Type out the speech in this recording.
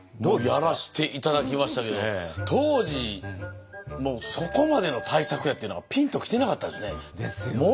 やらして頂きましたけど当時そこまでの大作やっていうのがピンときてなかったですね。ですよね。